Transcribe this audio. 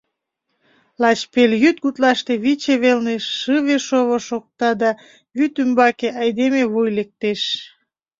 Лач пелйӱд гутлаште Виче велне шыве-шово шокта да вӱд ӱмбаке айдеме вуй лектеш.